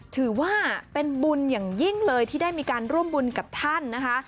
ถือว่าเป็นบุญอย่างยิ่งเลยที่ได้มีการร่วมบุญกับท่านนะคะ